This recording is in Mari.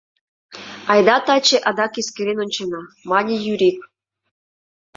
— Айда таче адак эскерен ончена, — мане Юрик.